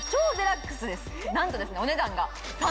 なんとですねお値段が。